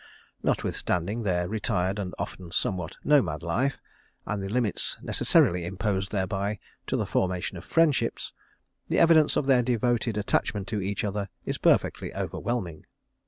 Notwithstanding their retired and often somewhat nomad life, and the limits necessarily imposed thereby to the formation of friendships, the evidence of their devoted attachment to each other is perfectly overwhelming.